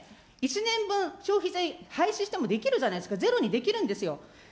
１年分、消費税廃止してもできるじゃないですか、ゼロにできるんですよ。